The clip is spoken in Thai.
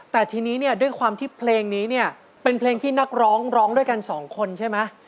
แต่ทีนี้เนี่ยด้วยความที่เพลงนี้เนี่ยเป็นเพลงที่นักร้องร้องด้วยกันสองคนใช่ไหม